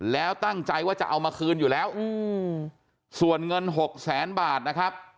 แล้วตั้งใจว่าจะเอามาคืนอยู่แล้วส่วนเงินหกแสนบาทนะครับ